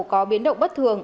có biến động bất thường